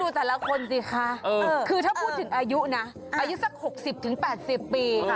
แต่ละคนสิคะคือถ้าพูดถึงอายุนะอายุสัก๖๐๘๐ปี